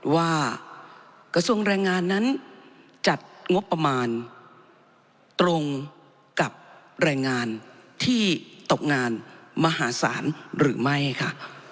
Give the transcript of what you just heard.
ว่ากระทรวงแรงงานนั้นจัดงบประมาณตรงกับแรงงานที่ตกงานมหาศาลหรือไม่ค่ะ